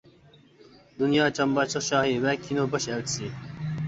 دۇنيا چامباشچىلىق شاھى ۋە كىنو باش ئەلچىسى.